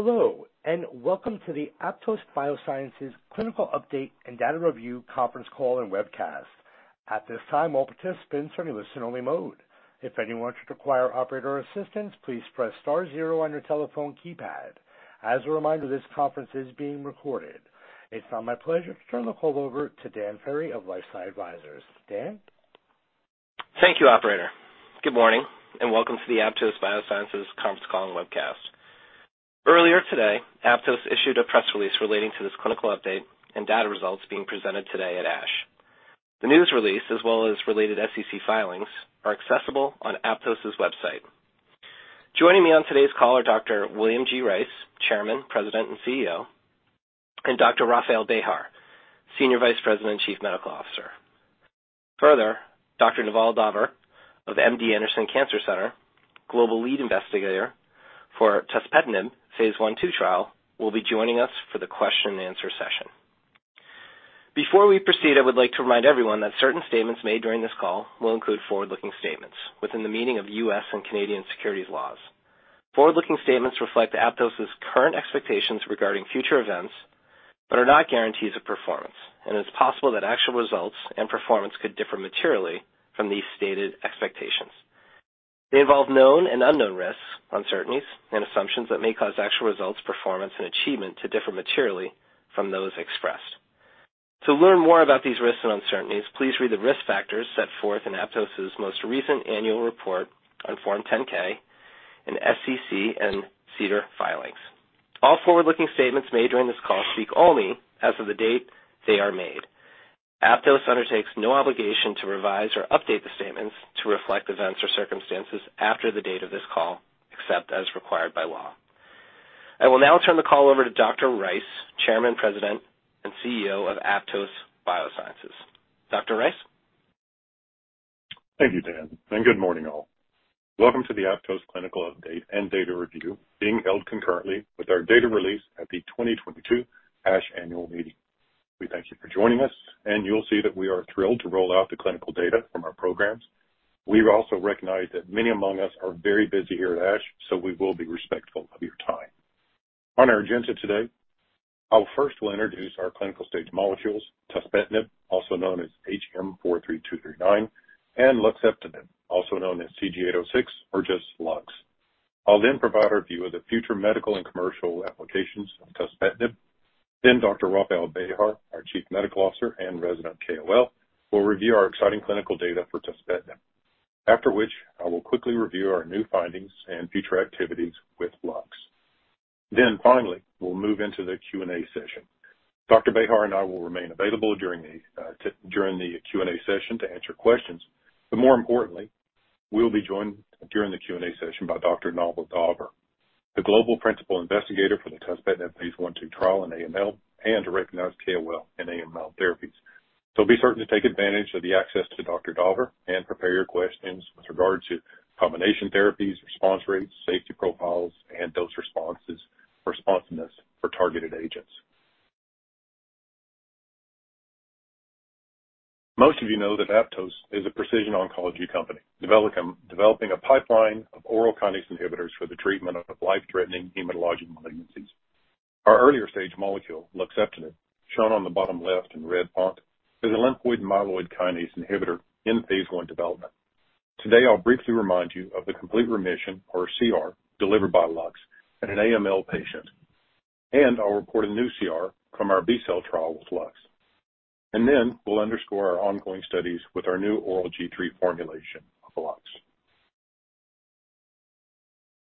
Hello. Welcome to the Aptose Biosciences clinical update and data review conference call and webcast. At this time, all participants are in listen only mode. If anyone should require operator assistance, please press star zero on your telephone keypad. As a reminder, this conference is being recorded. It's now my pleasure to turn the call over to Dan Ferry of LifeSci Advisors. Dan? Thank you, operator. Good morning, welcome to the Aptose Biosciences conference call and webcast. Earlier today, Aptose issued a press release relating to this clinical update and data results being presented today at ASH. The news release, as well as related SEC filings, are accessible on Aptose's website. Joining me on today's call are Dr. William G. Rice, Chairman, President, and CEO, and Dr. Rafael Bejar, Senior Vice President, Chief Medical Officer. Dr. Naval Daver of MD Anderson Cancer Center, Global Lead Investigator for tuspetinib phase I phase II trial, will be joining us for the question and answer session. Before we proceed, I would like to remind everyone that certain statements made during this call will include forward-looking statements within the meaning of U.S. and Canadian securities laws. Forward-looking statements reflect Aptose's current expectations regarding future events, but are not guarantees of performance, and it's possible that actual results and performance could differ materially from these stated expectations. They involve known and unknown risks, uncertainties, and assumptions that may cause actual results, performance, and achievement to differ materially from those expressed. To learn more about these risks and uncertainties, please read the risk factors set forth in Aptose's most recent annual report on Form 10-K in SEC and SEDAR filings. All forward-looking statements made during this call speak only as of the date they are made. Aptose undertakes no obligation to revise or update the statements to reflect events or circumstances after the date of this call, except as required by law. I will now turn the call over to Dr. Rice, Chairman, President, and CEO of Aptose Biosciences. Dr. Rice? Thank you, Dan. Good morning, all. Welcome to the Aptose clinical update and data review being held concurrently with our data release at the 2022 ASH annual meeting. We thank you for joining us. You'll see that we are thrilled to roll out the clinical data from our programs. We also recognize that many among us are very busy here at ASH. We will be respectful of your time. On our agenda today, I will first introduce our clinical-stage molecules, tuspetinib, also known as HM43239, and luxeptinib, also known as CG-806 or just Lux. I'll provide our view of the future medical and commercial applications of tuspetinib. Dr. Rafael Bejar, our Chief Medical Officer and resident KOL, will review our exciting clinical data for tuspetinib. After which, I will quickly review our new findings and future activities with Lux. Finally, we'll move into the Q&A session. Dr. Bejar and I will remain available during the Q&A session to answer questions, but more importantly, we'll be joined during the Q&A session by Dr. Naval Daver, the Global Principal Investigator for the tuspetinib phase I/II trial in AML and a recognized KOL in AML therapies. Be certain to take advantage of the access to Dr. Daver and prepare your questions with regard to combination therapies, response rates, safety profiles, and those responses, responsiveness for targeted agents. Most of you know that Aptose is a precision oncology company, developing a pipeline of oral kinase inhibitors for the treatment of life-threatening hematologic malignancies. Our earlier stage molecule, luxeptinib, shown on the bottom left in red font, is a lymphoid myeloid kinase inhibitor in phase I development. Today, I'll briefly remind you of the complete remission, or CR, delivered by Lux in an AML patient. I'll report a new CR from our B-cell trial with Lux. We'll underscore our ongoing studies with our new oral G3 formulation of Lux.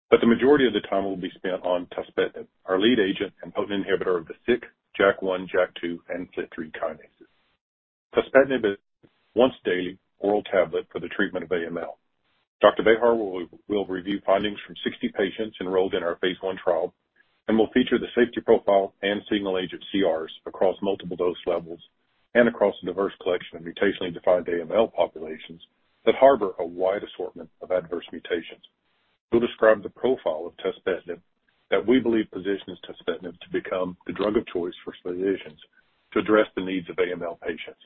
The majority of the time will be spent on tuspetinib, our lead agent and potent inhibitor of the SYK, JAK1, JAK2, and FLT3 kinases. tuspetinib is once-daily oral tablet for the treatment of AML. Dr. Bejar will review findings from 60 patients enrolled in our phase I trial and will feature the safety profile and single-agent CRs across multiple dose levels and across a diverse collection of mutationally defined AML populations that harbor a wide assortment of adverse mutations. He'll describe the profile of tuspetinib that we believe positions tuspetinib to become the drug of choice for physicians to address the needs of AML patients.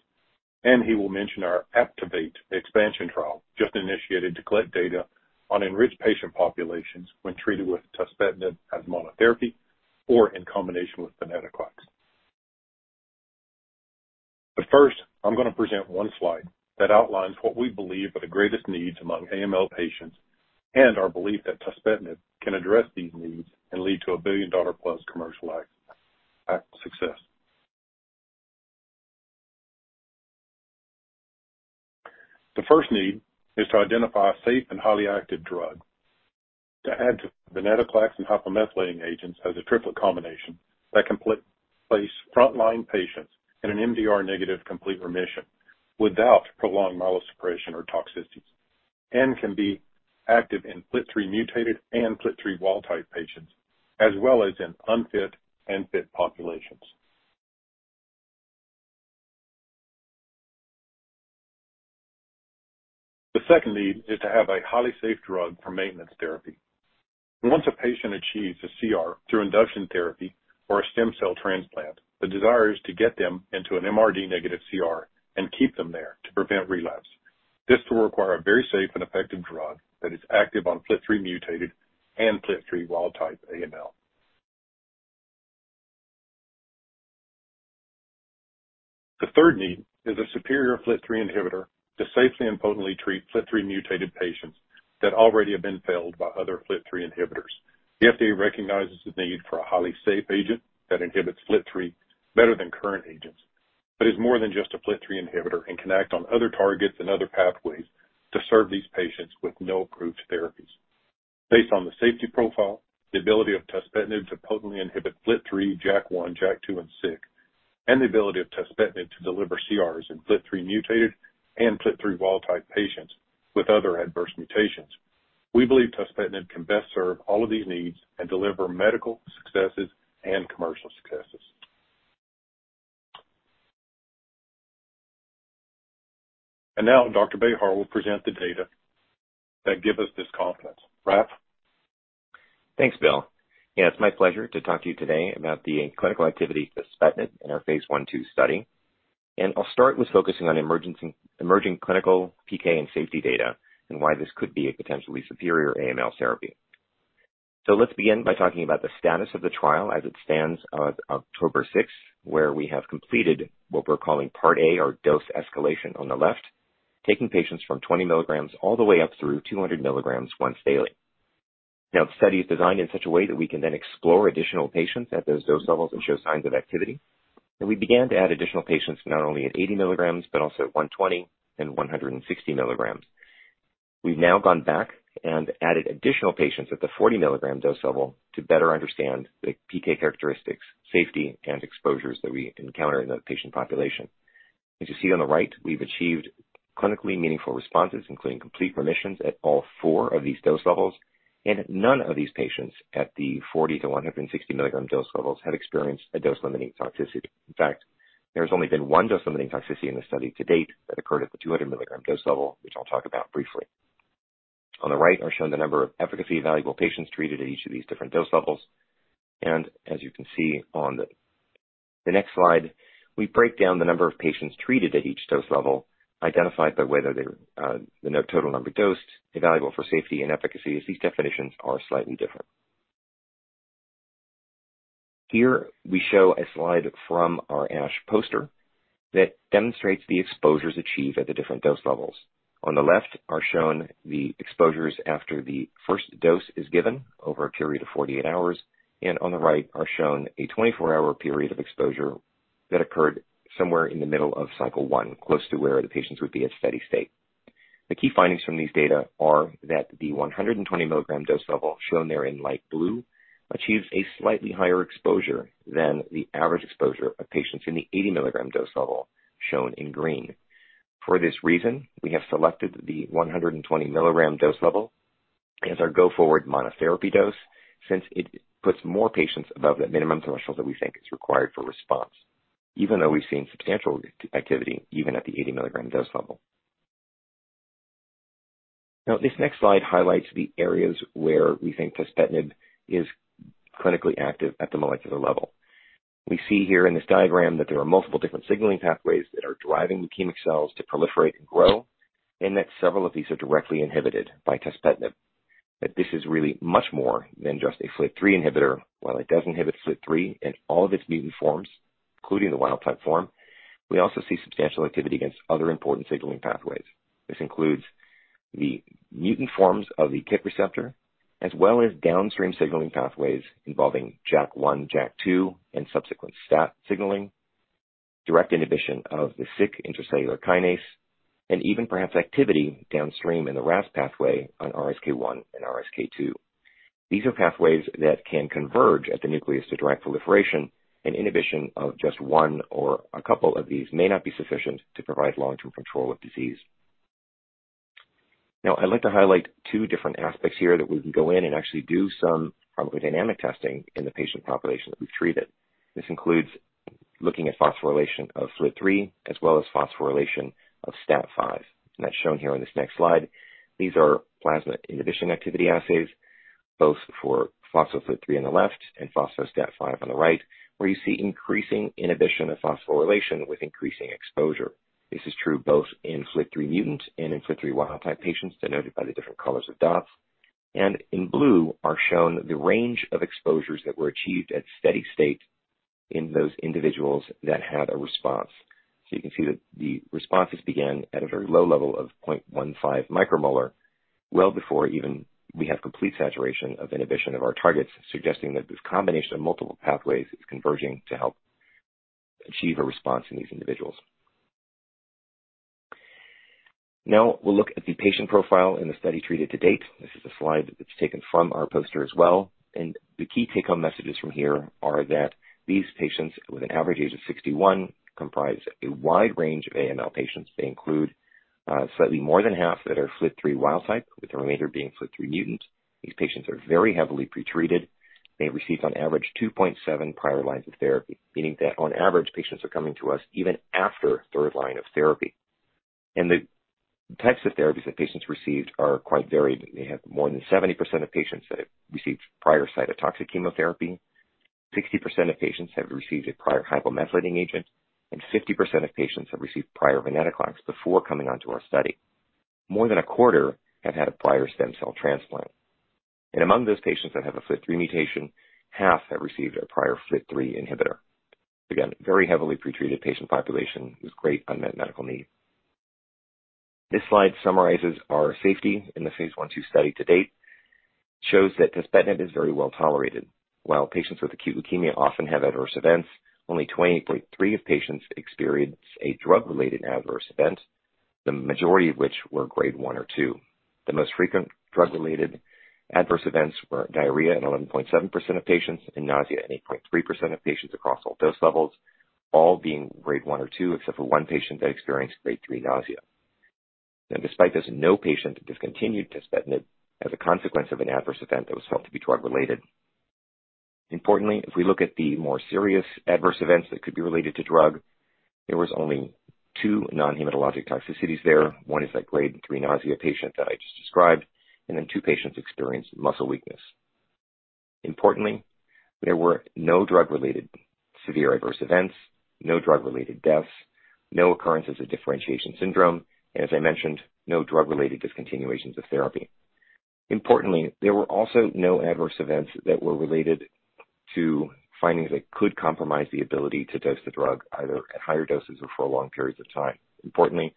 He will mention our APTIVATE expansion trial just initiated to collect data on enriched patient populations when treated with tuspetinib as monotherapy or in combination with venetoclax. First, I'm gonna present one slide that outlines what we believe are the greatest needs among AML patients and our belief that tuspetinib can address these needs and lead to a billion-dollar-plus commercial act success. The first need is to identify a safe and highly active drug to add to venetoclax and hypomethylating agents as a triplet combination that can place frontline patients in an MRD negative complete remission without prolonged myelosuppression or toxicities, and can be active in FLT3-mutated and FLT3 wild-type patients, as well as in unfit and fit populations. The second need is to have a highly safe drug for maintenance therapy. Once a patient achieves a CR through induction therapy or a stem cell transplant, the desire is to get them into an MRD negative CR and keep them there to prevent relapse. This will require a very safe and effective drug that is active on FLT3-mutated and FLT3 wild-type AML. The third need is a superior FLT3 inhibitor to safely and potently treat FLT3-mutated patients that already have been failed by other FLT3 inhibitors. The FDA recognizes the need for a highly safe agent that inhibits FLT3 better than current agents, but is more than just a FLT3 inhibitor and can act on other targets and other pathways to serve these patients with no approved therapies. Based on the safety profile, the ability of tuspetinib to potently inhibit FLT3, JAK1, JAK2, and SYK, and the ability of tuspetinib to deliver CRs in FLT3-mutated and FLT3 wild-type patients with other adverse mutations, we believe tuspetinib can best serve all of these needs and deliver medical successes and commercial successes. Now Dr. Bejar will present the data that give us this confidence. Raf? Thanks, Bill, it's my pleasure to talk to you today about the clinical activity of tuspetinib in our phase I/II study. I'll start with focusing on emerging clinical PK and safety data and why this could be a potentially superior AML therapy. Let's begin by talking about the status of the trial as it stands as of October 6th, where we have completed what we're calling part A or dose escalation on the left, taking patients from 20 mg all the way up through 200 mg once daily. The study is designed in such a way that we can then explore additional patients at those dose levels and show signs of activity. We began to add additional patients, not only at 80 mg but also at 120mg and 160 mg. We've now gone back and added additional patients at the 40 mg dose level to better understand the PK characteristics, safety, and exposures that we encounter in the patient population. As you see on the right, we've achieved clinically meaningful responses, including complete remissions at all four of these dose levels. None of these patients at the 40 mg-160 mg dose levels have experienced a dose-limiting toxicity. In fact, there's only been one dose-limiting toxicity in the study to date that occurred at the 200 mg dose level, which I'll talk about briefly. On the right are shown the number of efficacy-evaluable patients treated at each of these different dose levels. As you can see on the next slide, we break down the number of patients treated at each dose level, identified by whether they were the total number dosed, evaluable for safety and efficacy, as these definitions are slightly different. Here we show a slide from our ASH poster that demonstrates the exposures achieved at the different dose levels. On the left are shown the exposures after the first dose is given over a period of 48 hours, and on the right are shown a 24-hour period of exposure that occurred somewhere in the middle of Cycle 1, close to where the patients would be at steady state. The key findings from these data are that the 120 mg dose level, shown there in light blue, achieves a slightly higher exposure than the average exposure of patients in the 80 mg dose level, shown in green. For this reason, we have selected the 120 mg dose level as our go-forward monotherapy dose, since it puts more patients above that minimum threshold that we think is required for response, even though we've seen substantial activity even at the 80 mg dose level. This next slide highlights the areas where we think tuspetinib is clinically active at the molecular level. We see here in this diagram that there are multiple different signaling pathways that are driving leukemic cells to proliferate and grow, and that several of these are directly inhibited by tuspetinib. This is really much more than just a FLT3 inhibitor. While it does inhibit FLT3 in all of its mutant forms, including the wild-type form, we also see substantial activity against other important signaling pathways. This includes the mutant forms of the c-KITreceptor, as well as downstream signaling pathways involving JAK1, JAK2, and subsequent STAT signaling, direct inhibition of the SYK intracellular kinase, and even perhaps activity downstream in the RAS pathway on RSK1 and RSK2. These are pathways that can converge at the nucleus to drive proliferation. Inhibition of just one or a couple of these may not be sufficient to provide long-term control of disease. I'd like to highlight two different aspects here that we can go in and actually do some pharmacodynamic testing in the patient population that we've treated. This includes looking at phosphorylation of FLT3 as well as phosphorylation of STAT5. That's shown here on this next slide. These are plasma inhibition activity assays, both for phospho-FLT3 on the left and phospho-STAT5 on the right, where you see increasing inhibition of phosphorylation with increasing exposure. This is true both in FLT3 mutant and in FLT3 wild-type patients, denoted by the different colors of dots. In blue are shown the range of exposures that were achieved at steady state in those individuals that had a response. You can see that the responses began at a very low level of 0.15 micromolar, well before even we have complete saturation of inhibition of our targets, suggesting that this combination of multiple pathways is converging to help achieve a response in these individuals. We'll look at the patient profile in the study treated to date. This is a slide that's taken from our poster as well. The key take home messages from here are that these patients, with an average age of 61, comprise a wide range of AML patients. They include slightly more than half that are FLT3 wild type, with the remainder being FLT3 mutant. These patients are very heavily pretreated. They received on average 2.7 prior lines of therapy, meaning that on average, patients are coming to us even after third line of therapy. The types of therapies that patients received are quite varied. They have more than 70% of patients that have received prior cytotoxic chemotherapy. 60% of patients have received a prior hypomethylating agent, and 50% of patients have received prior venetoclax before coming onto our study. More than a quarter have had a prior stem cell transplant, and among those patients that have a FLT3 mutation, half have received a prior FLT3 inhibitor. Again, very heavily pretreated patient population with great unmet medical need. This slide summarizes our safety in the phase I/II study to date. It shows that tuspetinib is very well tolerated. While patients with acute leukemia often have adverse events, only 20.3% of patients experience a drug-related adverse event, the majority of which were Grade 1 or 2. The most frequent drug-related adverse events were diarrhea in 11.7% of patients and nausea in 8.3% of patients across all dose levels, all being Grade 1 or 2 except for 1 patient that experienced Grade 3 nausea. Now despite this, no patient discontinued tuspetinib as a consequence of an adverse event that was felt to be drug-related. Importantly, if we look at the more serious adverse events that could be related to drug, there was only two non-hematologic toxicities there. One is that Grade 3 nausea patient that I just described, and then two patients experienced muscle weakness. Importantly, there were no drug-related severe adverse events, no drug-related deaths, no occurrences of differentiation syndrome, and as I mentioned, no drug-related discontinuations of therapy. Importantly, there were also no adverse events that were related to findings that could compromise the ability to dose the drug, either at higher doses or for long periods of time. Importantly,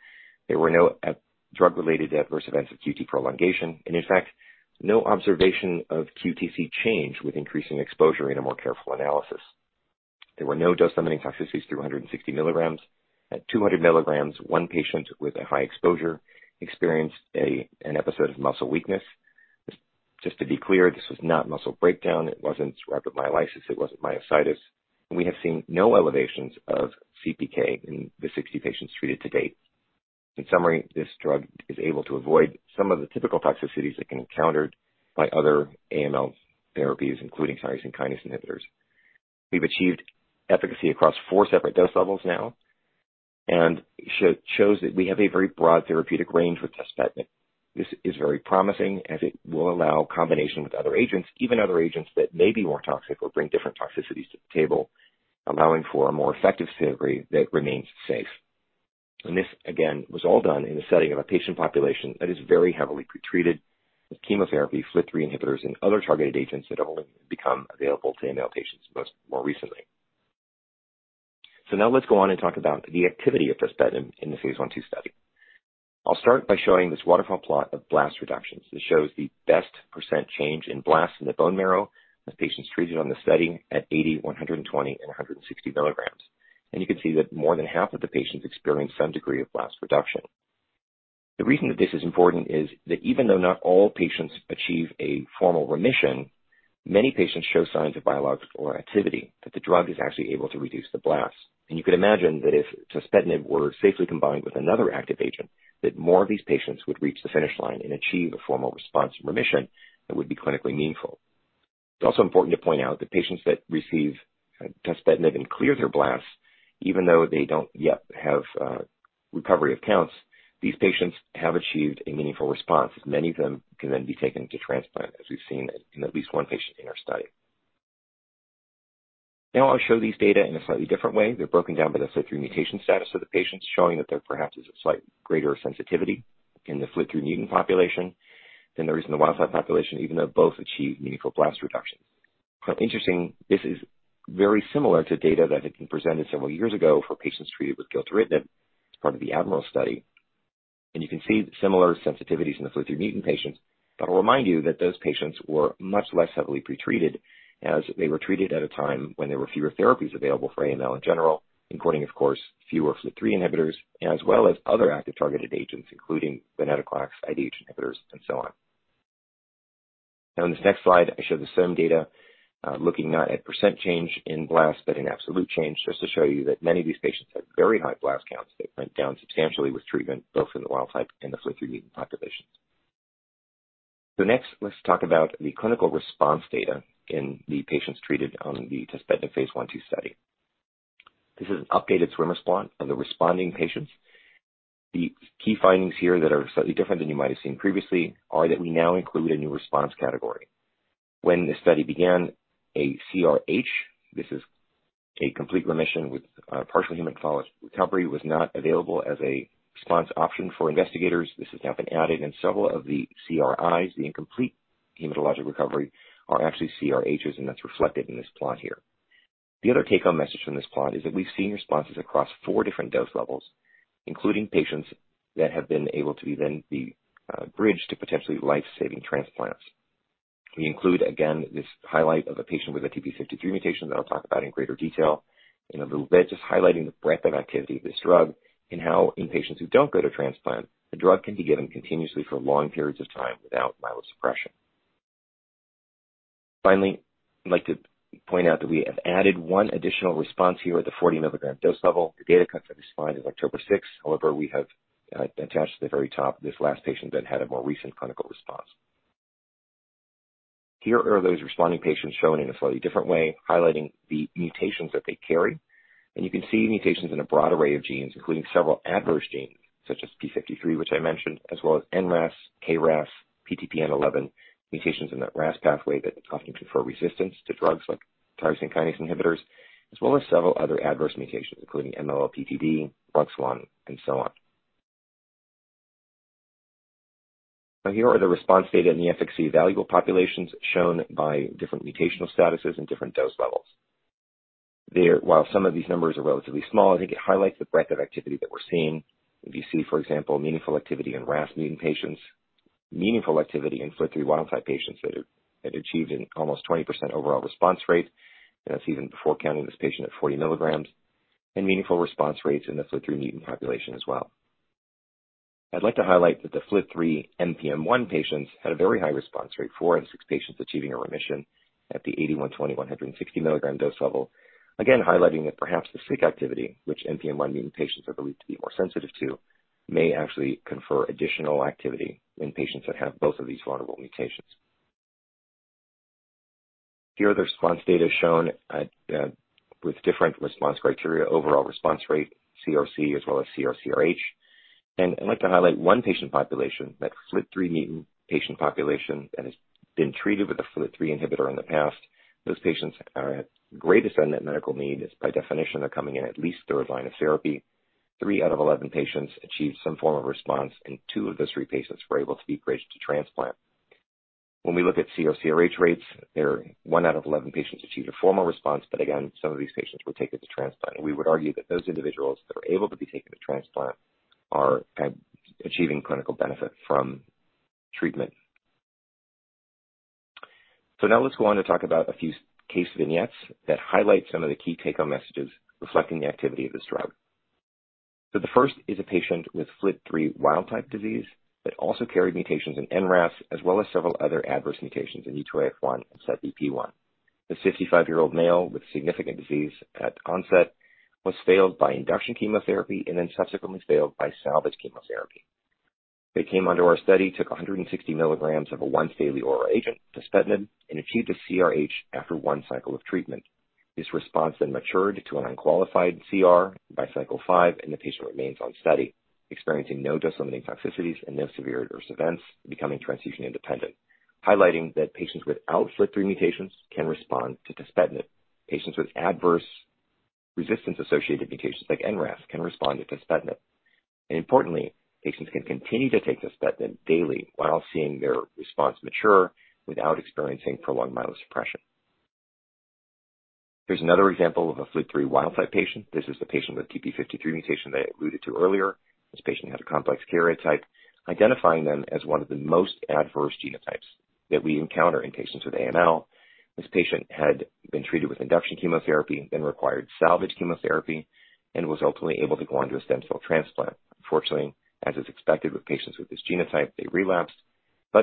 there were no drug-related adverse events of QT prolongation and in fact, no observation of QTc change with increasing exposure in a more careful analysis. There were no dose-limiting toxicities through 160 mg. At 200 mg, one patient with a high exposure experienced an episode of muscle weakness. Just to be clear, this was not muscle breakdown. It wasn't rhabdomyolysis, it wasn't myositis. We have seen no elevations of CPK in the 60 patients treated to date. In summary, this drug is able to avoid some of the typical toxicities that get encountered by other AML therapies, including tyrosine kinase inhibitors. We've achieved efficacy across four separate dose levels now and shows that we have a very broad therapeutic range with tuspetinib. This is very promising as it will allow combination with other agents, even other agents that may be more toxic or bring different toxicities to the table, allowing for a more effective therapy that remains safe. This again, was all done in the setting of a patient population that is very heavily pretreated with chemotherapy, FLT3 inhibitors and other targeted agents that have only become available to AML patients most, more recently. Now let's go on and talk about the activity of tuspetinib in the phase I/II study. I'll start by showing this waterfall plot of blast reductions. This shows the best percent change in blasts in the bone marrow as patients treated on the study at 80 mg, 120 mg and 160 mg. You can see that more than half of the patients experienced some degree of blast reduction. The reason that this is important is that even though not all patients achieve a formal remission, many patients show signs of biologic or activity, that the drug is actually able to reduce the blasts. You could imagine that if tuspetinib were safely combined with another active agent, that more of these patients would reach the finish line and achieve a formal response remission that would be clinically meaningful. It's also important to point out that patients that receive tuspetinib and clear their blasts, even though they don't yet have recovery of counts, these patients have achieved a meaningful response, as many of them can then be taken to transplant, as we've seen in at least 1 patient in our study. I'll show these data in a slightly different way. They're broken down by the FLT3 mutation status of the patients, showing that there perhaps is a slight greater sensitivity in the FLT3 mutant population than there is in the wild type population, even though both achieve meaningful blast reductions. Quite interesting, this is very similar to data that had been presented several years ago for patients treated with gilteritinib as part of the ADMIRAL study, and you can see similar sensitivities in the FLT3 mutant patients. I'll remind you that those patients were much less heavily pretreated as they were treated at a time when there were fewer therapies available for AML in general, including of course, fewer FLT3 inhibitors as well as other active targeted agents, including venetoclax, IDH inhibitors, and so on. In this next slide, I show the same data, looking not at % change in blast, but in absolute change. Just to show you that many of these patients had very high blast counts that went down substantially with treatment, both in the wild type and the FLT3 mutant populations. Next, let's talk about the clinical response data in the patients treated on the tuspetinib phase I/II study. This is an updated swimmer's plot of the responding patients. The key findings here that are slightly different than you might have seen previously are that we now include a new response category. When the study began a CRh, this is a complete remission with partial hematologic recovery, was not available as a response option for investigators. This has now been added, and several of the CRis, the incomplete hematologic recovery, are actually CRhs, and that's reflected in this plot here. The other take home message from this plot is that we've seen responses across four different dose levels, including patients that have been able to then be bridged to potentially life-saving transplants. We include, again, this highlight of a patient with a TP53 mutation that I'll talk about in greater detail in a little bit, just highlighting the breadth of activity of this drug and how in patients who don't go to transplant, the drug can be given continuously for long periods of time without myelosuppression. I'd like to point out that we have added one additional response here at the 40 mg dose level. The data cut for this slide is October 6th. We have attached to the very top this last patient that had a more recent clinical response. Here are those responding patients shown in a slightly different way, highlighting the mutations that they carry. You can see mutations in a broad array of genes, including several adverse genes such as TP53, which I mentioned, as well as NRAS, KRAS, PTPN11, mutations in that RAS pathway that often confer resistance to drugs like tyrosine kinase inhibitors, as well as several other adverse mutations, including MLL-PTD, ROS1, and so on. Here are the response data in the efficacy-evaluable populations shown by different mutational statuses and different dose levels. While some of these numbers are relatively small, I think it highlights the breadth of activity that we're seeing. If you see, for example, meaningful activity in RAS mutant patients, meaningful activity in FLT3 wild type patients that have achieved an almost 20% overall response rate, and that's even before counting this patient at 40 mg, and meaningful response rates in the FLT3 mutant population as well. I'd like to highlight that the FLT3 NPM1 patients had a very high response rate, four in six patients achieving a remission at the 80 mg, 120 mg, 160 mg dose level. Again, highlighting that perhaps the SYK activity which NPM1 mutant patients are believed to be more sensitive to may actually confer additional activity in patients that have both of these vulnerable mutations. Here are the response data shown at, with different response criteria, overall response rate, CRc, as well as CR/CRh I'd like to highlight one patient population, that FLT3 mutant patient population that has been treated with a FLT3 inhibitor in the past. Those patients are at greatest unmet medical need, as by definition, they're coming in at least third line of therapy. 3 out of 11 patients achieved some form of response, and 2 of those 3 patients were able to be bridged to transplant. When we look at CR/CRh rates, 1 out of 11 patients achieved a formal response, but again, some of these patients were taken to transplant. We would argue that those individuals that are able to be taken to transplant are achieving clinical benefit from treatment. Now let's go on to talk about a few case vignettes that highlight some of the key take-home messages reflecting the activity of this drug. The first is a patient with FLT3 wild type disease that also carried mutations in NRAS, as well as several other adverse mutations in E2F1 and CEBPA. The 55-year-old male with significant disease at onset was failed by induction chemotherapy and then subsequently failed by salvage chemotherapy. They came under our study, took 160 mg of a once daily oral agent, tuspetinib, and achieved a CRh after one cycle of treatment. This response then matured to an unqualified CR by Cycle 5, and the patient remains on study, experiencing no dose limiting toxicities and no severe adverse events, becoming transfusion independent, highlighting that patients without FLT3 mutations can respond to tuspetinib. Patients with adverse resistance-associated mutations like NRAS can respond to tuspetinib. Importantly, patients can continue to take tuspetinib daily while seeing their response mature without experiencing prolonged myelosuppression. Here's another example of a FLT3 wild type patient. This is the patient with TP53 mutation that I alluded to earlier. This patient had a complex karyotype, identifying them as one of the most adverse genotypes that we encounter in patients with AML. This patient had been treated with induction chemotherapy, then required salvage chemotherapy, and was ultimately able to go on to a stem cell transplant. Unfortunately, as is expected with patients with this genotype, they relapsed,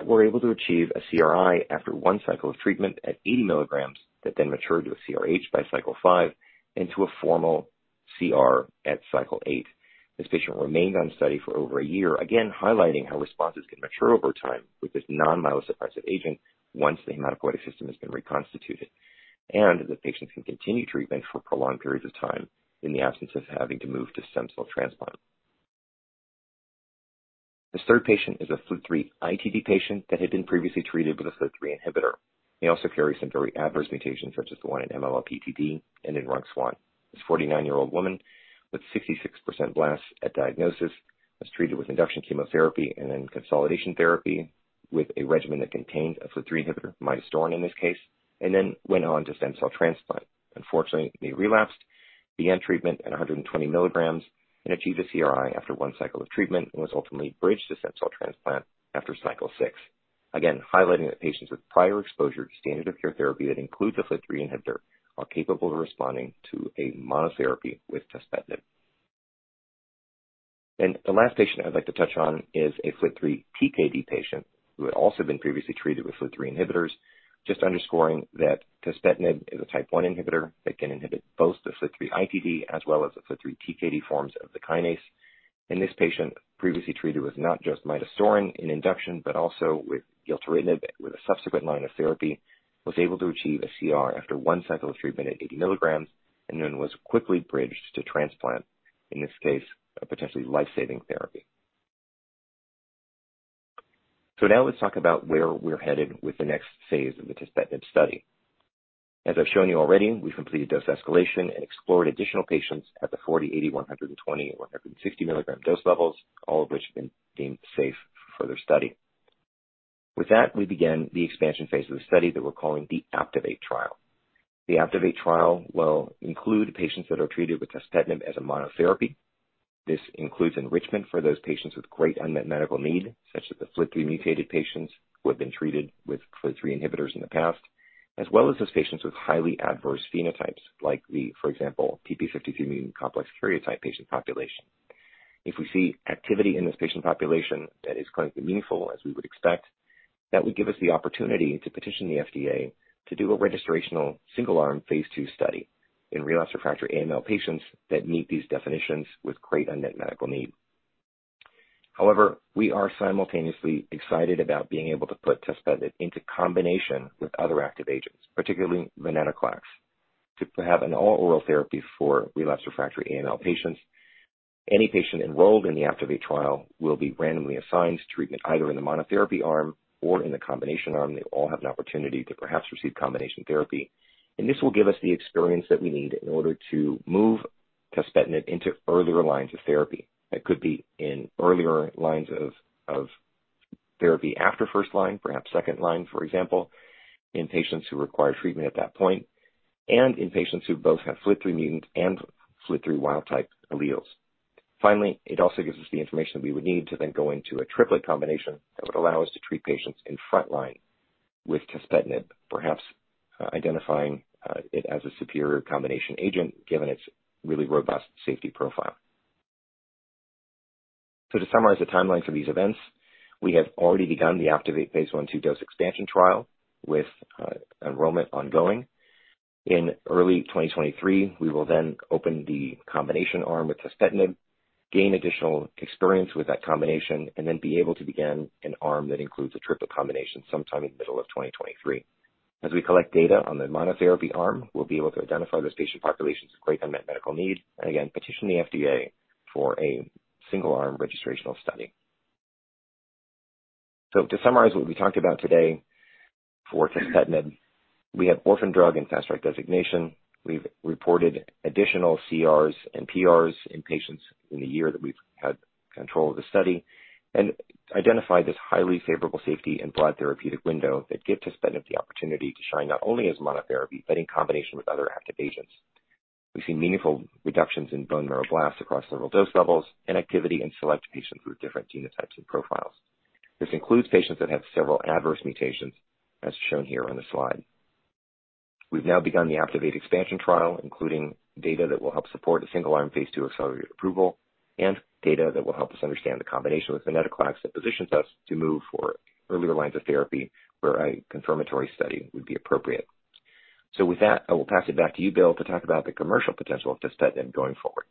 were able to achieve a CRi after one cycle of treatment at 80 mg that then matured to a CRh by Cycle 5 and to a formal CR at Cycle 8. This patient remained on study for over a year, again highlighting how responses can mature over time with this non-myelosuppressive agent once the hematopoietic system has been reconstituted. The patients can continue treatment for prolonged periods of time in the absence of having to move to stem cell transplant. This third patient is a FLT3-ITD patient that had been previously treated with a FLT3 inhibitor. They also carry some very adverse mutations, such as the one in MLL-PTD and in ROS1. This 49-year-old woman with 66% blasts at diagnosis was treated with induction chemotherapy and then consolidation therapy with a regimen that contained a FLT3 inhibitor, midostaurin in this case, and then went on to stem cell transplant. Unfortunately, they relapsed, began treatment at 120 mg and achieved a CRi after one cycle of treatment and was ultimately bridged to stem cell transplant after Cycle 6. Again, highlighting that patients with prior exposure to standard of care therapy that includes a FLT3 inhibitor are capable of responding to a monotherapy with tuspetinib. The last patient I'd like to touch on is a FLT3 TKD patient who had also been previously treated with FLT3 inhibitors. Just underscoring that tuspetinib is a type one inhibitor that can inhibit both the FLT3-ITD as well as the FLT3 TKD forms of the kinase. This patient previously treated with not just midostaurin in induction, but also with gilteritinib with a subsequent line of therapy, was able to achieve a CR after one cycle of treatment at 80 mg and then was quickly bridged to transplant, in this case, a potentially life-saving therapy. Now let's talk about where we're headed with the next phase of the tuspetinib study. As I've shown you already, we've completed dose escalation and explored additional patients at the 40 mg, 80 mg, 120 mg, and 160 mg dose levels, all of which have been deemed safe for further study. With that, we begin the expansion phase of the study that we're calling the APTIVATE trial. The APTIVATE trial will include patients that are treated with tuspetinib as a monotherapy. This includes enrichment for those patients with great unmet medical need, such as the FLT3-mutated patients who have been treated with FLT3 inhibitors in the past, as well as those patients with highly adverse phenotypes like the, for example, TP53 mutant complex karyotype patient population. If we see activity in this patient population that is clinically meaningful as we would expect, that would give us the opportunity to petition the FDA to do a registrational single-arm phase II study in relapsed/refractory AML patients that meet these definitions with great unmet medical need. However, we are simultaneously excited about being able to put tuspetinib into combination with other active agents, particularly venetoclax, to have an all-oral therapy for relapsed/refractory AML patients. Any patient enrolled in the APTIVATE trial will be randomly assigned to treatment either in the monotherapy arm or in the combination arm. They all have an opportunity to perhaps receive combination therapy, and this will give us the experience that we need in order to move tuspetinib into earlier lines of therapy. That could be in earlier lines of therapy after first line, perhaps second line, for example, in patients who require treatment at that point, and in patients who both have FLT3 mutant and FLT3 wild type alleles. Finally, it also gives us the information we would need to then go into a triplet combination that would allow us to treat patients in front line with tuspetinib, perhaps identifying it as a superior combination agent given its really robust safety profile. To summarize the timelines of these events, we have already begun the APTIVATE phase I/II dose expansion trial with enrollment ongoing. In early 2023, we will then open the combination arm with tuspetinib, gain additional experience with that combination, and then be able to begin an arm that includes a triple combination sometime in the middle of 2023. As we collect data on the monotherapy arm, we'll be able to identify those patient populations of great unmet medical need, and again, petition the FDA for a single-arm registrational study. To summarize what we talked about today for tuspetinib, we have orphan drug and fast track designation. We've reported additional CRs and PRs in patients in the year that we've had control of the study and identified this highly favorable safety and broad therapeutic window that give tuspetinib the opportunity to shine not only as monotherapy, but in combination with other active agents. We've seen meaningful reductions in bone marrow blasts across several dose levels and activity in select patients with different genotypes and profiles. This includes patients that have several adverse mutations, as shown here on the slide. We've now begun the APTIVATE expansion trial, including data that will help support a single-arm phase II accelerated approval and data that will help us understand the combination with venetoclax that positions us to move for earlier lines of therapy where a confirmatory study would be appropriate. With that, I will pass it back to you, Bill, to talk about the commercial potential of tuspetinib going forward.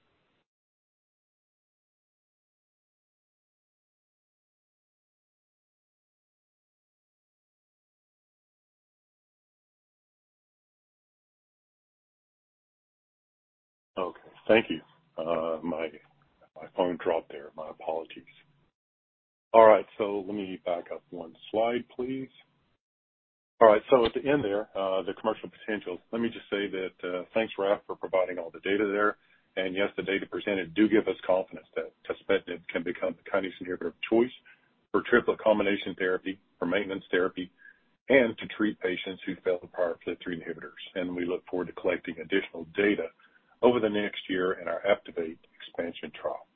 Okay. Thank you. My phone dropped there. My apologies. Let me back up one slide, please. At the end there, the commercial potential, let me just say that, thanks, Raf, for providing all the data there. Yes, the data presented do give us confidence that tuspetinib can become the kinase inhibitor of choice for triplet combination therapy, for maintenance therapy, and to treat patients who failed prior FLT3 inhibitors. We look forward to collecting additional data over the next year in our APTIVATE expansion trial.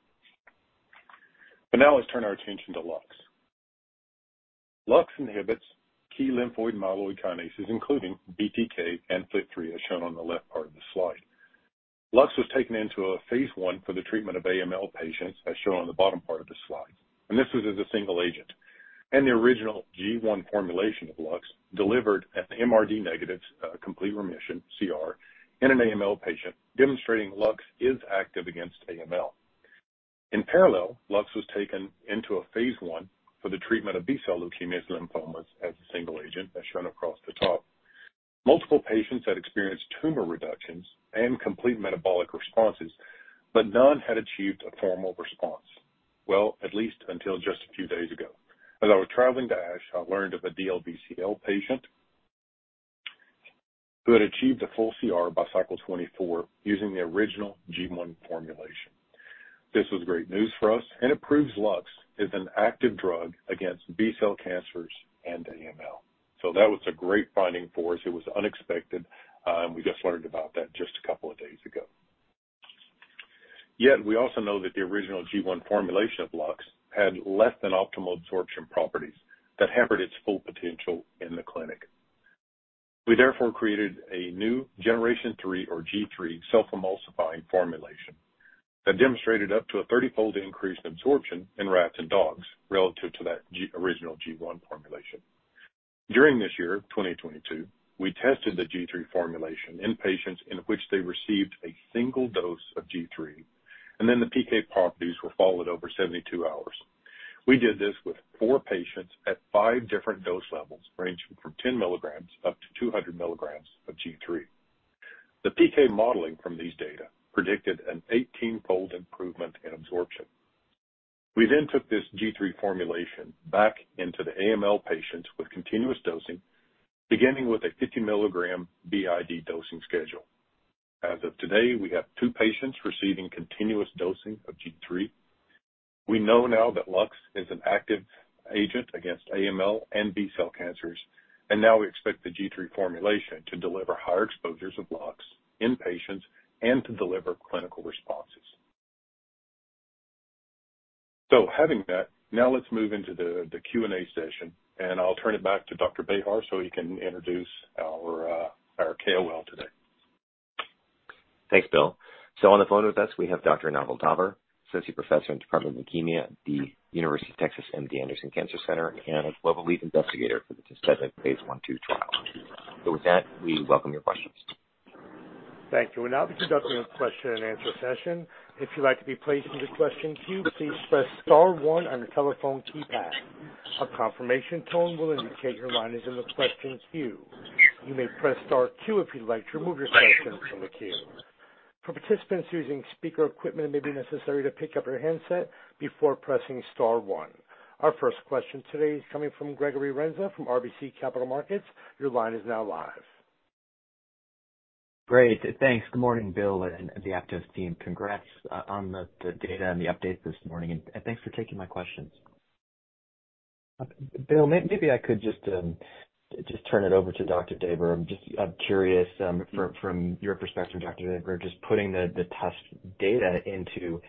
Now let's turn our attention to Lux. Lux inhibits key lymphoid myeloid kinases, including BTK and FLT3, as shown on the left part of the slide. Lux was taken into a phase I for the treatment of AML patients, as shown on the bottom part of the slide, and this was as a single agent. The original G1 formulation of Lux delivered MRD negatives, complete remission, CR, in an AML patient, demonstrating Lux is active against AML. In parallel, Lux was taken into a phase I for the treatment of B-cell leukemias lymphomas as a single agent, as shown across the top. Multiple patients had experienced tumor reductions and complete metabolic responses, but none had achieved a formal response. Well, at least until just a few days ago. As I was traveling to ASH, I learned of a DLBCL patient who had achieved a full CR by Cycle 24 using the original G1 formulation. This was great news for us and it proves Lux is an active drug against B-cell cancers and AML. That was a great finding for us. It was unexpected, and we just learned about that just a couple of days ago. Yet we also know that the original G1 formulation of Lux had less than optimal absorption properties that hampered its full potential in the clinic. We therefore created a new generation 3 or G3 self-emulsifying formulation that demonstrated up to a 30-fold increased absorption in rats and dogs relative to that original G1 formulation. During this year, 2022, we tested the G3 formulation in patients in which they received a single dose of G3, and then the PK properties were followed over 72 hours. We did this with 4 patients at 5 different dose levels, ranging from 10 mg up to 200 mg of G3. The PK modeling from these data predicted an 18-fold improvement in absorption. We took this G3 formulation back into the AML patients with continuous dosing, beginning with a 50 mg BID dosing schedule. As of today, we have two patients receiving continuous dosing of G3. We know now that Lux is an active agent against AML and B-cell cancers. Now we expect the G3 formulation to deliver higher exposures of Lux in patients and to deliver clinical responses. Having that, now let's move into the Q&A session. I'll turn it back to Dr. Bejar so he can introduce our KOL today. Thanks, Bill. On the phone with us, we have Dr. Naval Daver, Associate Professor in Department of Leukemia at The University of Texas MD Anderson Cancer Center, and a global lead investigator for the tuspetinib phase I/II trial. With that, we welcome your questions. Thank you. We'll now be conducting a question and answer session. If you'd like to be placed in the question queue, please press star one on your telephone keypad. A confirmation tone will indicate your line is in the questions queue. You may press star two if you'd like to remove your question from the queue. For participants using speaker equipment, it may be necessary to pick up your handset before pressing star one. Our first question today is coming from Gregory Renza from RBC Capital Markets. Your line is now live. Great. Thanks. Good morning, Bill and the Aptose team. Congrats on the data and the updates this morning, thanks for taking my questions. Bill, maybe I could just turn it over to Dr. Daver. I'm curious from your perspective, Dr. Daver, just putting the test data into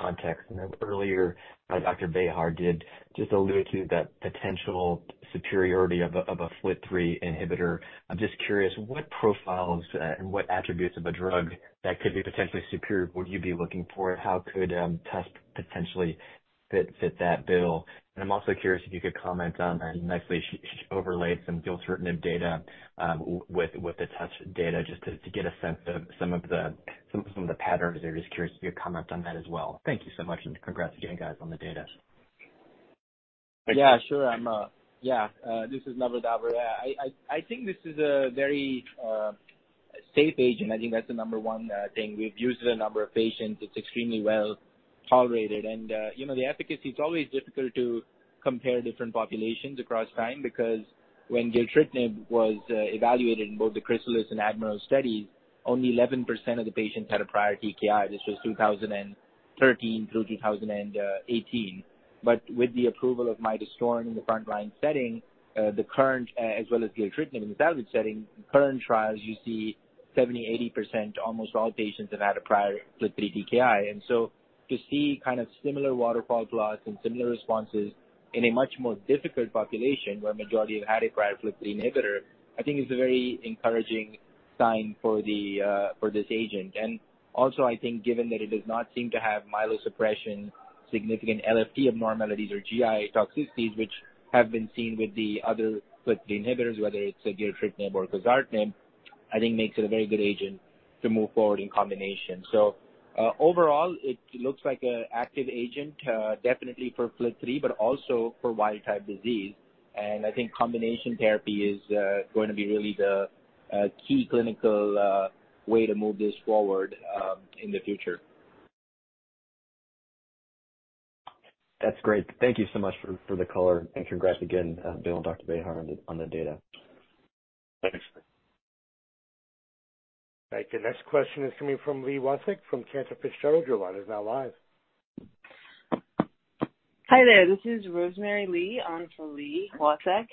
context. I know earlier Dr. Bejar did just allude to that potential superiority of a FLT3 inhibitor. I'm just curious what profiles and what attributes of a drug that could be potentially superior would you be looking for? How could test potentially fit that bill? I'm also curious if you could comment on, and nicely she overlays some gilteritinib data with the test data, just to get a sense of some of the patterns there. Just curious if you could comment on that as well. Thank you so much, and congrats again, guys, on the data. This is Naval Daver. I think this is a very safe agent. I think that's the number one thing. We've used it in a number of patients. It's extremely well-tolerated. You know, the efficacy, it's always difficult to compare different populations across time because when gilteritinib was evaluated in both the CHRYSALIS and ADMIRAL studies, only 11% of the patients had a prior TKI. This was 2013 through 2018. With the approval of midostaurin in the frontline setting, the current as well as gilteritinib in the salvage setting, current trials you see 70%, 80%, almost all patients have had a prior FLT3 TKI. To see kind of similar waterfall plots and similar responses in a much more difficult population, where majority have had a prior FLT3 inhibitor, I think is a very encouraging sign for this agent. Also, I think given that it does not seem to have myelosuppression, significant LFT abnormalities or GI toxicities, which have been seen with the other FLT3 inhibitors, whether it's a gilteritinib or quizartinib, I think makes it a very good agent to move forward in combination. Overall, it looks like an active agent, definitely for FLT3, but also for wild type disease. I think combination therapy is going to be really the key clinical way to move this forward in the future. That's great. Thank you so much for the color and congrats again, Bill and Dr. Bejar on the data. Thanks. The next question is coming from Li Watsek from Cantor Fitzgerald. Your line is now live. Hi there. This is Rosemary Lee on for Li Watsek.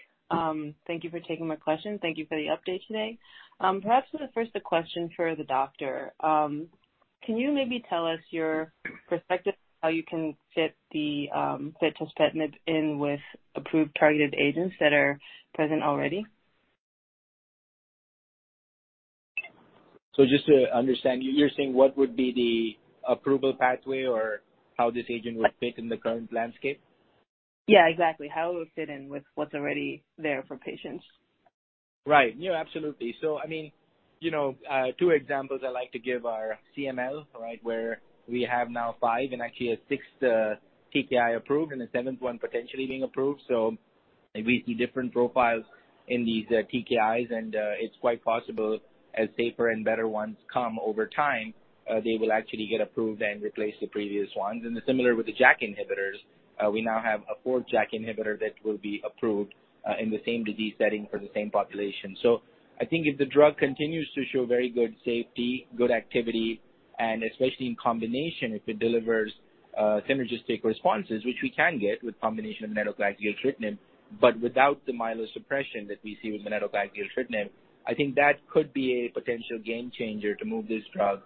Thank you for taking my question. Thank you for the update today. Perhaps first a question for the doctor. Can you maybe tell us your perspective how you can fit the fit tuspetinib in with approved targeted agents that are present already? Just to understand, you're saying what would be the approval pathway or how this agent would fit in the current landscape? Yeah, exactly. How it will fit in with what's already there for patients. Right. Yeah, absolutely. I mean, you know, two examples I like to give are CML, right, where we have now five and actually a 6th TKI approved and a 7th one potentially being approved. We see different profiles in these TKIs, and, it's quite possible as safer and better ones come over time, they will actually get approved and replace the previous ones. Similar with the JAK inhibitors, we now have a 4th JAK inhibitor that will be approved, in the same disease setting for the same population. I think if the drug continues to show very good safety, good activity, and especially in combination, if it delivers synergistic responses, which we can get with combination venetoclax gilteritinib, but without the myelosuppression that we see with venetoclax gilteritinib, I think that could be a potential game changer to move this drug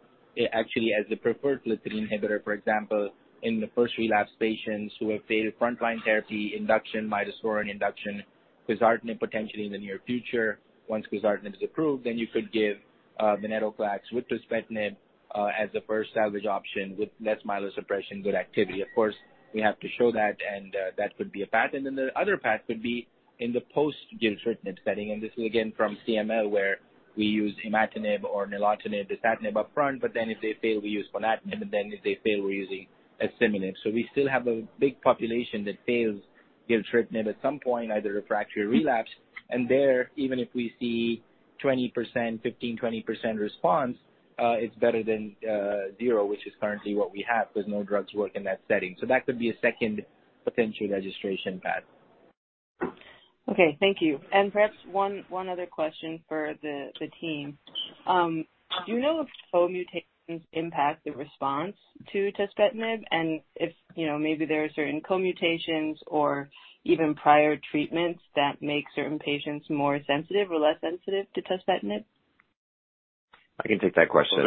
actually as a preferred FLT3 inhibitor, for example, in the first relapse patients who have failed frontline therapy, induction midostaurin induction, quizartinib potentially in the near future. Once quizartinib is approved, you could give venetoclax with tuspetinib as a first salvage option with less myelosuppression, good activity. Of course, we have to show that. That could be a path. The other path could be in the post-gilteritinib setting, and this is again from CML, where we use imatinib or nilotinib, dasatinib up front, but then if they fail, we use ponatinib, and then if they fail, we're using asciminib. We still have a big population that fails gilteritinib at some point, either a fracture or relapse. There, even if we see 20%, 15%-20% response, it's better than 0%, which is currently what we have. 'Cause no drugs work in that setting. That could be a second potential registration path. Okay. Thank you. Perhaps one other question for the team. Do you know if co-mutations impact the response to tuspetinib? If, you know, maybe there are certain co-mutations or even prior treatments that make certain patients more sensitive or less sensitive to tuspetinib? I can take that question.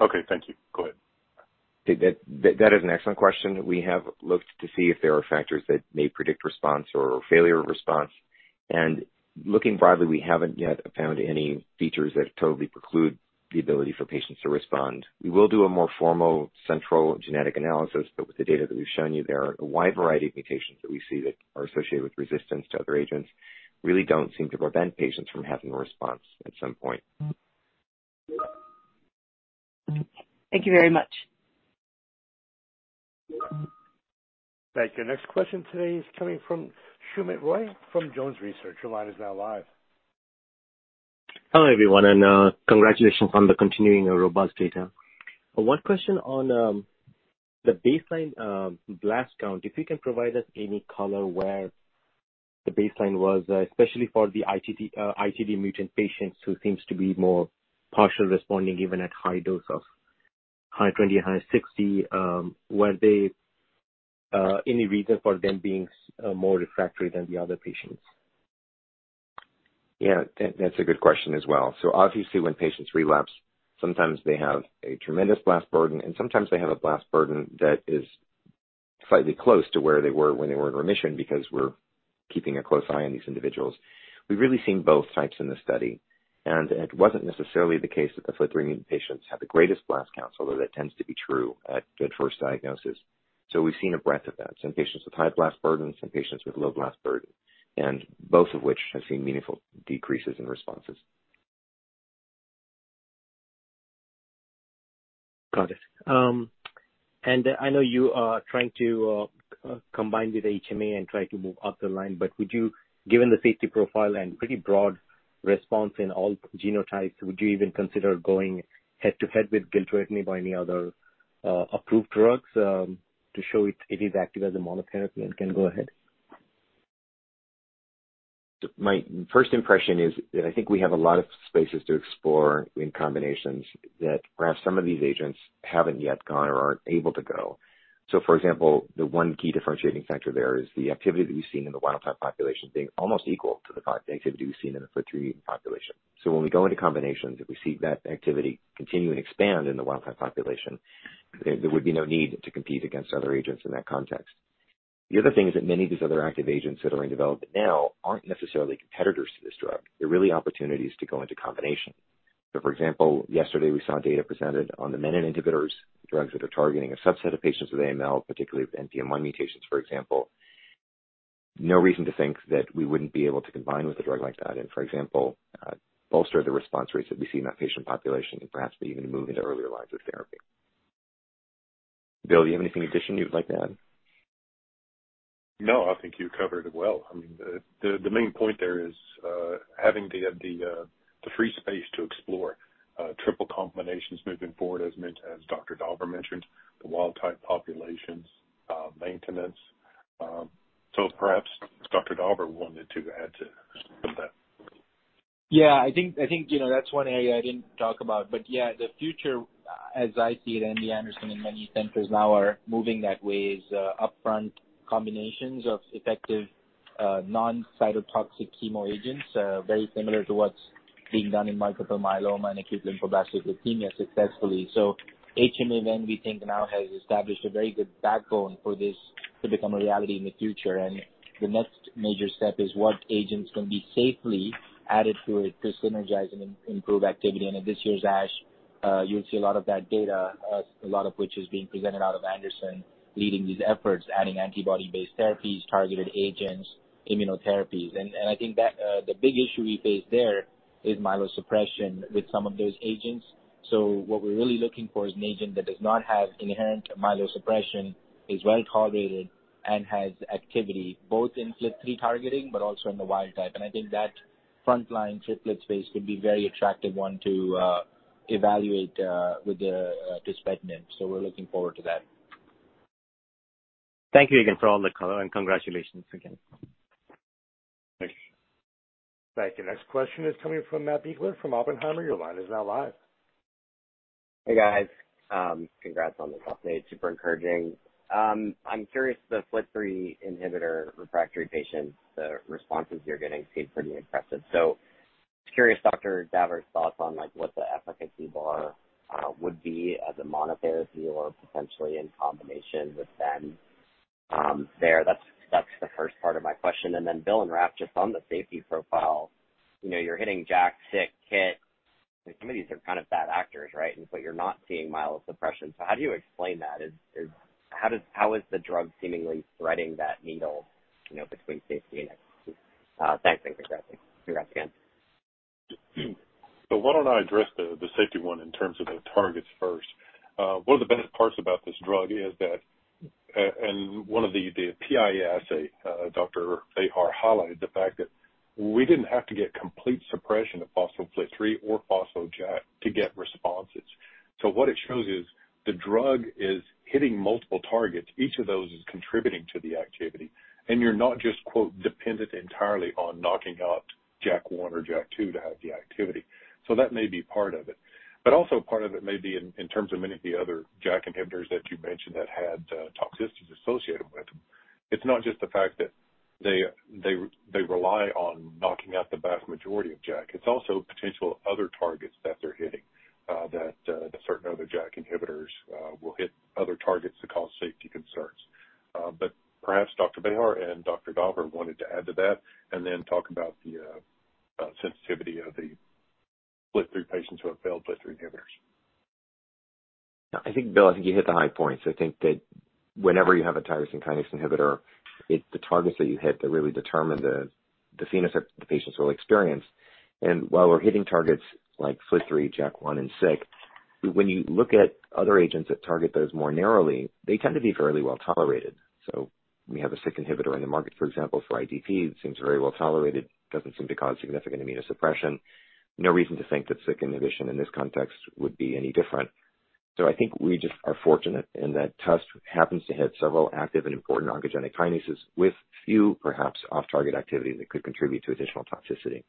Okay. Thank you. Go ahead. That is an excellent question. We have looked to see if there are factors that may predict response or failure of response. Looking broadly, we haven't yet found any features that totally preclude the ability for patients to respond. We will do a more formal central genetic analysis, but with the data that we've shown you, there are a wide variety of mutations that we see that are associated with resistance to other agents really don't seem to prevent patients from having a response at some point. Thank you very much. Thank you. Next question today is coming from Soumit Roy from JonesTrading. Your line is now live. Hello everyone, and congratulations on the continuing a robust data. One question on the baseline blast count, if you can provide us any color where the baseline was, especially for the ITD mutant patients who seems to be more partial responding even at high dose of high 20, high 60. Were they any reason for them being more refractory than the other patients? Yeah, that's a good question as well. Obviously when patients relapse, sometimes they have a tremendous blast burden, and sometimes they have a blast burden that is slightly close to where they were when they were in remission because we're keeping a close eye on these individuals. We've really seen both types in this study, and it wasn't necessarily the case that the FLT3 mutant patients had the greatest blast count, although that tends to be true at the first diagnosis. We've seen a breadth of that, some patients with high blast burden, some patients with low blast burden, and both of which have seen meaningful decreases in responses. Got it. I know you are trying to combine with HMA and try to move up the line, but would you, given the safety profile and pretty broad response in all genotypes, would you even consider going head to head with gilteritinib or any other approved drugs, to show it is active as a monotherapy and can go ahead? My first impression is that I think we have a lot of spaces to explore in combinations that perhaps some of these agents haven't yet gone or aren't able to go. For example, the one key differentiating factor there is the activity that we've seen in the wild type population being almost equal to the activity we've seen in the FLT3 mutant population. When we go into combinations, if we see that activity continue and expand in the wild type population, there would be no need to compete against other agents in that context. The other thing is that many of these other active agents that are in development now aren't necessarily competitors to this drug. They're really opportunities to go into combination. For example, yesterday we saw data presented on the menin inhibitors, drugs that are targeting a subset of patients with AML, particularly with NPM1 mutations for example. No reason to think that we wouldn't be able to combine with a drug like that and for example, bolster the response rates that we see in that patient population and perhaps even move into earlier lines of therapy. Bill, do you have anything additional you would like to add? No, I think you covered it well. I mean, the main point there is having the free space to explore triple combinations moving forward as meant Dr. Daver mentioned, the wild type populations, maintenance. Perhaps Dr. Daver wanted to add to that. Yeah, I think, you know, that's one area I didn't talk about, but yeah, the future as I see it and MD Anderson and many centers now are moving that way is upfront combinations of effective non-cytotoxic chemo agents, very similar to what's being done in multiple myeloma and acute lymphoblastic leukemia successfully. HMA then we think now has established a very good backbone for this to become a reality in the future. The next major step is what agents can be safely added to it to synergize and improve activity. At this year's ASH, you'll see a lot of that data, a lot of which is being presented out of Anderson, leading these efforts, adding antibody-based therapies, targeted agents, immunotherapies. I think that the big issue we face there is myelosuppression with some of those agents. What we're really looking for is an agent that does not have inherent myelosuppression, is well tolerated and has activity both in FLT3 targeting, but also in the wild type. I think that frontline triplet space could be very attractive one to evaluate with the tuspetinib. We're looking forward to that. Thank you again for all the color and congratulations again. Thanks. Thank you. Next question is coming from Matt Biegler from Oppenheimer. Your line is now live. Hey guys, congrats on this update. Super encouraging. I'm curious, the FLT3 inhibitor refractory patients, the responses you're getting seem pretty impressive. Just curious, Dr. Daver's thoughts on like what the efficacy bar would be as a monotherapy or potentially in combination with them, there. That's the first part of my question. Then Bill and Raf, just on the safety profile, you know, you're hitting JAK, SYK, c-KIT, and some of these are kind of bad actors, right? You're not seeing myelosuppression. How do you explain that? Is how is the drug seemingly threading that needle, you know, between safety and efficacy? Thanks and congrats again. Why don't I address the safety one in terms of the targets first. One of the best parts about this drug is that, and one of the PIA assay, Dr. Bejar highlighted the fact that we didn't have to get complete suppression of phospho-FLT3 or phospho-JAK to get responses. What it shows is the drug is hitting multiple targets. Each of those is contributing to the activity, and you're not just quote, dependent entirely on knocking out JAK1 or JAK2 to have the activity. That may be part of it. Also part of it may be in terms of many of the other JAK inhibitors that you mentioned that had toxicities associated with them. It's not just the fact that they rely on knocking out the vast majority of JAK. It's also potential other targets that they're hitting, that certain other JAK inhibitors, will hit other targets that cause safety concerns. Perhaps Dr. Bejar and Dr. Daver wanted to add to that and then talk about the sensitivity of the FLT3 patients who have failed FLT3 inhibitors. I think, Bill, I think you hit the high points. I think that whenever you have a tyrosine kinase inhibitor, it's the targets that you hit that really determine the phenotype the patients will experience. While we're hitting targets like FLT3, JAK1, and SYK. When you look at other agents that target those more narrowly, they tend to be fairly well-tolerated. We have a SYK inhibitor in the market, for example, for ITP. It seems very well-tolerated, doesn't seem to cause significant immunosuppression. No reason to think that SYK inhibition in this context would be any different. I think we just are fortunate in that TUS happens to hit several active and important oncogenic kinases with few perhaps off-target activity that could contribute to additional toxicity.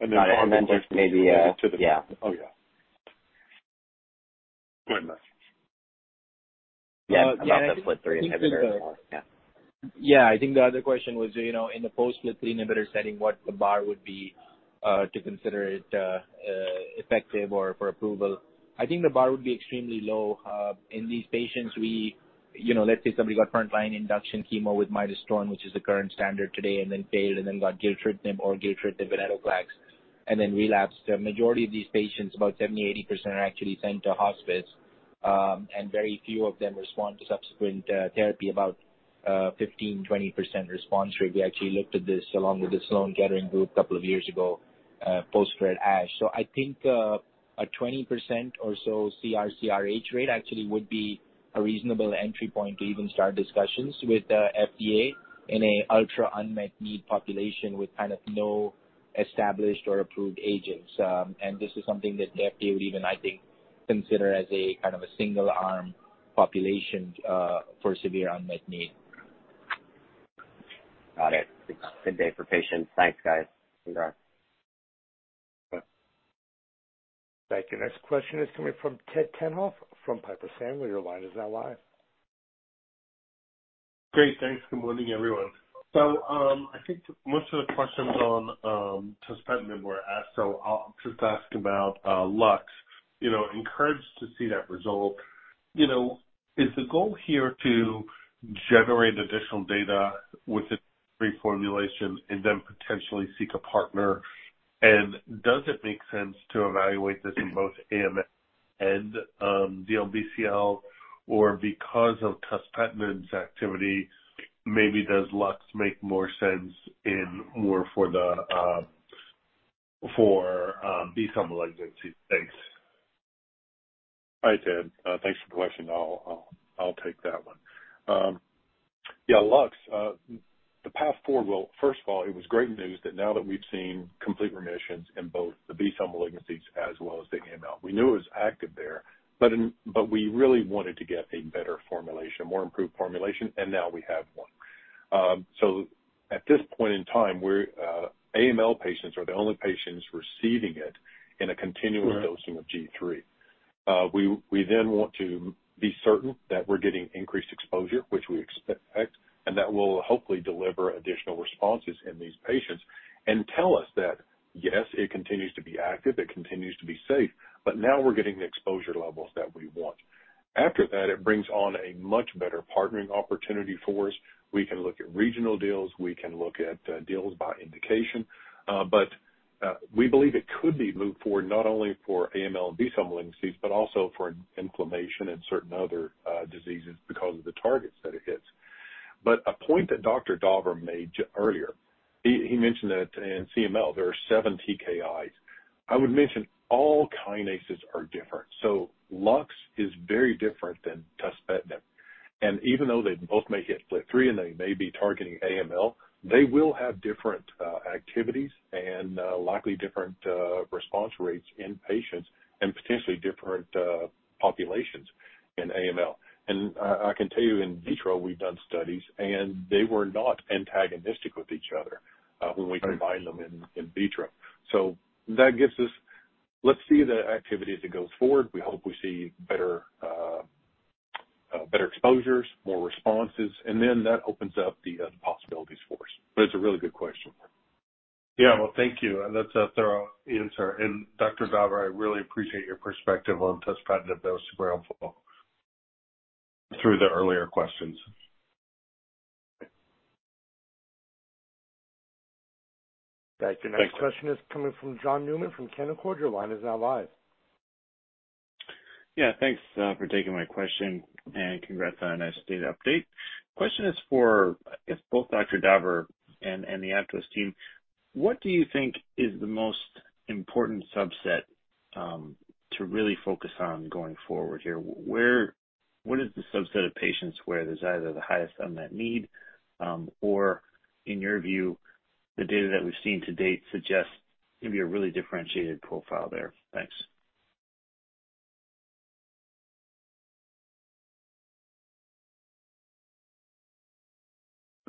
Maybe, yeah. Oh, yeah. My message. Yeah, about the FLT3 inhibitor. Yeah, I think the other question was, you know, in the post-FLT3 inhibitor setting, what the bar would be to consider it effective or for approval. I think the bar would be extremely low. In these patients, we, you know, let's say somebody got front line induction chemo with midostaurin, which is the current standard today, and then failed and then got gilteritinib or gilteritinib and venetoclax and then relapsed. The majority of these patients, about 70%-80%, are actually sent to hospice. Very few of them respond to subsequent therapy. About 15%-20% response rate. We actually looked at this along with the Sloan Kettering group a couple of years ago, post for at ASH. I think a 20% or so CR/CRh rate actually would be a reasonable entry point to even start discussions with the FDA in a ultra unmet need population with kind of no established or approved agents. This is something that the FDA would even, I think, consider as a kind of a single-arm population for severe unmet need. Got it. Good day for patients. Thanks, guys. Congrats. Thank you. Next question is coming from Ted Tenthoff from Piper Sandler. Your line is now live. Great. Thanks. Good morning, everyone. I think most of the questions on tuspetinib were asked, so I'll just ask about Lux. You know, encouraged to see that result. You know, is the goal here to generate additional data with the reformulation and then potentially seek a partner? Does it make sense to evaluate this in both AML and DLBCL? Because of tuspetinib's activity, maybe does Lux make more sense in more for the for B-cell malignancies? Thanks. Hi, Ted. Thanks for the question. I'll take that one. Yeah, Lux. Well, first of all, it was great news that now that we've seen complete remissions in both the B-cell malignancies as well as the AML. We knew it was active there, but we really wanted to get a better formulation, a more improved formulation, and now we have one. At this point in time, we're AML patients are the only patients receiving it in a continuum dosing of G3. We then want to be certain that we're getting increased exposure, which we expect, and that will hopefully deliver additional responses in these patients and tell us that, yes, it continues to be active, it continues to be safe, but now we're getting the exposure levels that we want. After that, it brings on a much better partnering opportunity for us. We can look at regional deals, we can look at deals by indication. We believe it could be moved forward not only for AML and B-cell malignancies, but also for inflammation and certain other diseases because of the targets that it hits. A point that Dr. Daver made earlier, he mentioned that in CML there are seven TKIs. I would mention all kinases are different. Lux is very different than tuspetinib. Even though they both may hit FLT3, and they may be targeting AML, they will have different activities and likely different response rates in patients and potentially different populations in AML. I can tell you in vitro we've done studies, and they were not antagonistic with each other, when we combined them in vitro. Let's see the activity as it goes forward. We hope we see better exposures, more responses, that opens up the possibilities for us. It's a really good question. Yeah. Well, thank you. That's a thorough answer. Dr. Daver, I really appreciate your perspective on tuspetinib. That was super helpful through the earlier questions. Thank you. Next question is coming from John Newman from Canaccord. Your line is now live. Yeah, thanks for taking my question and congrats on a nice data update. Question is for, I guess, both Dr. Daver and the Aptose team. What do you think is the most important subset to really focus on going forward here? What is the subset of patients where there's either the highest unmet need, or in your view, the data that we've seen to date suggests maybe a really differentiated profile there? Thanks.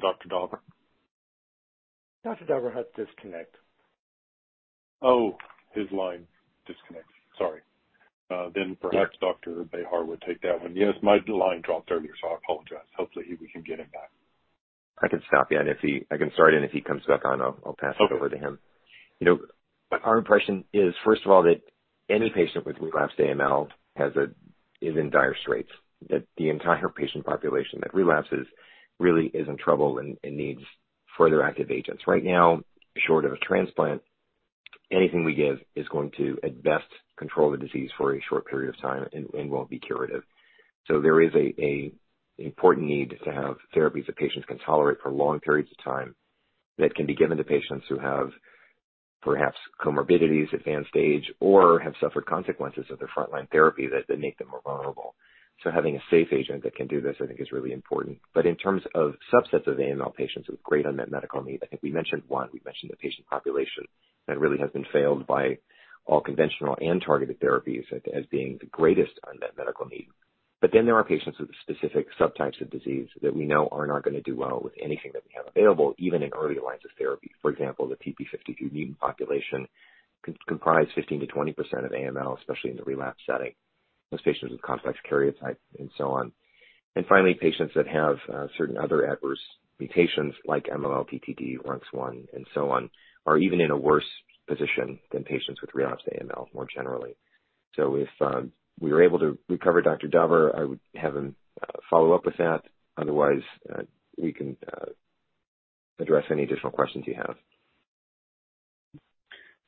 Dr. Daver. Dr. Daver had to disconnect. His line disconnected. Sorry. Perhaps Dr. Bejar would take that one. Yes, my line dropped earlier. I apologize. Hopefully we can get him back. I can stop in. I can start in. If he comes back on, I'll pass it over to him. Okay. You know, our impression is, first of all, that any patient with relapsed AML is in dire straits, that the entire patient population that relapses really is in trouble and needs further active agents. Right now, short of a transplant. Anything we give is going to, at best, control the disease for a short period of time and won't be curative. There is a important need to have therapies that patients can tolerate for long periods of time that can be given to patients who have perhaps comorbidities, advanced age, or have suffered consequences of their frontline therapy that can make them more vulnerable. Having a safe agent that can do this, I think, is really important. In terms of subsets of AML patients with great unmet medical need, I think we mentioned one, we've mentioned the patient population that really has been failed by all conventional and targeted therapies as being the greatest unmet medical need. There are patients with specific subtypes of disease that we know are not gonna do well with anything that we have available, even in early lines of therapy. For example, the TP53 mutant population comprise 15%-20% of AML, especially in the relapse setting. Those patients with complex karyotype and so on. Finally, patients that have certain other adverse mutations like MLL, NPM1, RUNX1, and so on, are even in a worse position than patients with relapsed AML more generally. If we were able to recover Dr. Daver, I would have him follow up with that. Otherwise, we can address any additional questions you have.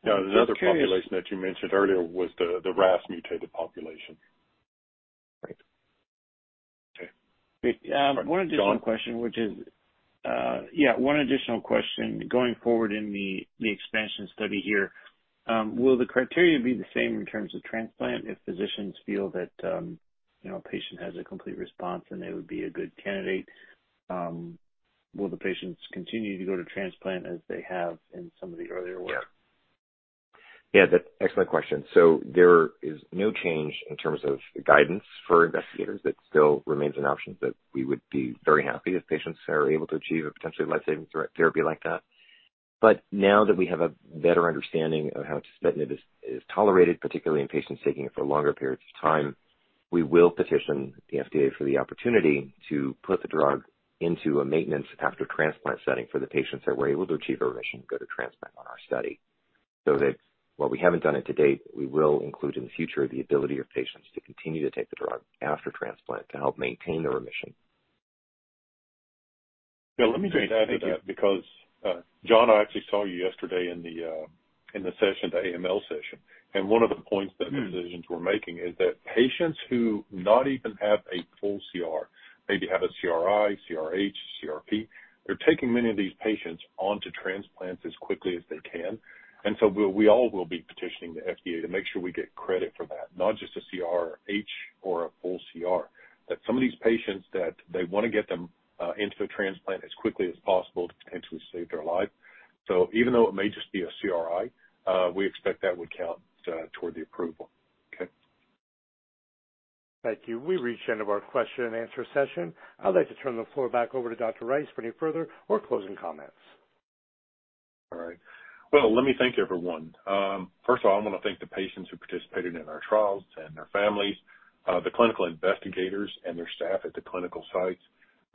Now, another population that you mentioned earlier was the RAS mutated population. Right. Okay. One additional question. Yeah, one additional question. Going forward in the expansion study here, will the criteria be the same in terms of transplant if physicians feel that, you know, a patient has a complete response, and they would be a good candidate, will the patients continue to go to transplant as they have in some of the earlier work? That's excellent question. There is no change in terms of guidance for investigators. That still remains an option that we would be very happy if patients are able to achieve a potentially life-saving therapy like that. Now that we have a better understanding of how tuspetinib is tolerated, particularly in patients taking it for longer periods of time, we will petition the FDA for the opportunity to put the drug into a maintenance after transplant setting for the patients that were able to achieve a remission go to transplant on our study. While we haven't done it to date, we will include in the future the ability of patients to continue to take the drug after transplant to help maintain the remission. Yeah, let me just add to that because, John, I actually saw you yesterday in the session, the AML session, and one of the points that physicians were making is that patients who not even have a full CR, maybe have a CRi, CRh, CRp, they're taking many of these patients onto transplants as quickly as they can. We all will be petitioning the FDA to make sure we get credit for that, not just a CRh or a full CR, that some of these patients that they wanna get them into a transplant as quickly as possible to potentially save their life. Even though it may just be a CRi, we expect that would count toward the approval. Okay. Thank you. We've reached the end of our question and answer session. I'd like to turn the floor back over to Dr. Rice for any further or closing comments. All right. Well, let me thank everyone. First of all, I wanna thank the patients who participated in our trials and their families, the clinical investigators and their staff at the clinical sites,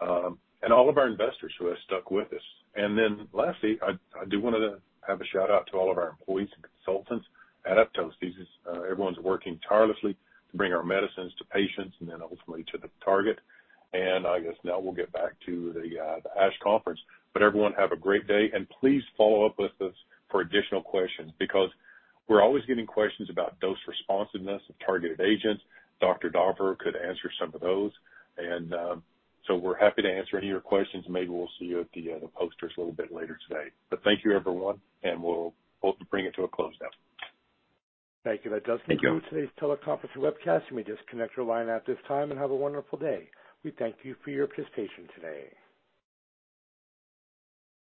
and all of our investors who have stuck with us. Lastly, I do wanna have a shout-out to all of our employees and consultants at Aptose. This is, everyone's working tirelessly to bring our medicines to patients and then ultimately to the target. I guess now we'll get back to the ASH conference. Everyone, have a great day and please follow up with us for additional questions because we're always getting questions about dose responsiveness of targeted agents. Dr. Daver could answer some of those. We're happy to answer any of your questions. Maybe we'll see you at the posters a little bit later today. Thank you, everyone, and we'll bring it to a close now. Thank you. That does conclude- Thank you. -today's teleconference and webcast. You may disconnect your line at this time and have a wonderful day. We thank you for your participation today.